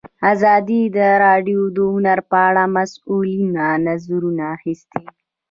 ازادي راډیو د هنر په اړه د مسؤلینو نظرونه اخیستي.